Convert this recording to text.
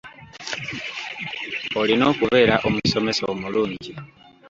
Olina okubeera omusomesa omulungi.